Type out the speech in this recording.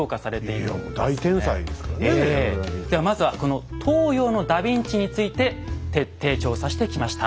さあまずはこの東洋のダビンチについて徹底調査してきました。